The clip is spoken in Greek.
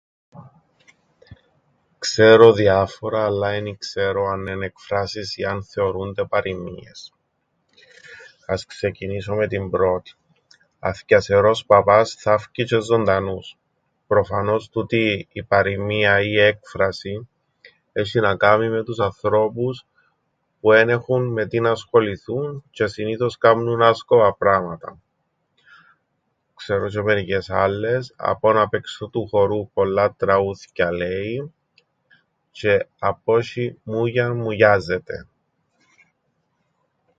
"Ξέρω διάφορα, αλλά εν ι-ξέρω αννέν' εκφράσεις ή αν θεωρούνται παροιμίες. Ας ξεκινήσω με την πρώτην: ""αθκειασερός παπάς θάφκει τζ̆αι ζωντανούς"". Προφανώς, τούτη η παροιμία ή έκφραση έσ̆ει να κάμει με τους ανθρώπους που εν έχουν με τι ν' ασχοληθούν τζ̆αι συνήθως κάμνουν άσκοπα πράματα. Ξέρω τζ̆αι μερικές άλλες: ""απο' 'ν απ' έξω του χορού, πολλά τραούθκια λέει"" τζ̆αι ""απο' 'σ̆ει μούγιαν μουγιάζεται""."